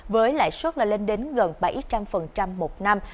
với lãi suất lên đến gần bảy trăm linh một năm